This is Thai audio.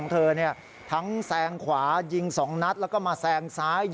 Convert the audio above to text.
ใช่ทีนี้เขาตีคู่ขึ้นมาข้างด้านซ้าย